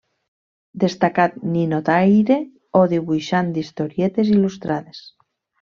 Destacat ninotaire o dibuixant d'historietes il·lustrades.